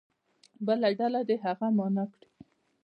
بله ډله دې هغه معنا کړي.